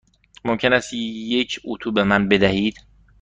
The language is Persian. ممکن است یک اتو به من بدهید؟